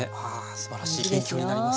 すばらしい勉強になります。